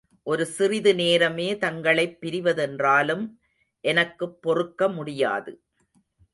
ஒரு சிறிது நேரமே தங்களைப் பிரிவதென்றாலும் எனக்குப் பொறுக்க முடியாது.